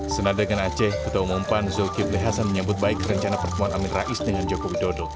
senad dengan aceh ketua umum pan zulkifli hasan menyebut baik rencana pertemuan amin rais dengan jokowi dodo